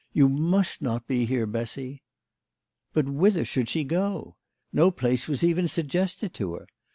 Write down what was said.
You must not be here, Bessy." But whither should she go ? No place was even suggested to her.